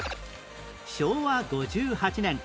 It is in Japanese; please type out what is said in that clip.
昭和５８年